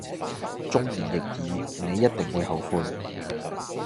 忠言逆耳你一定會後悔